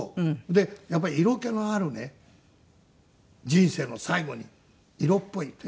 でやっぱり色気のあるね人生の最後に色っぽいというか。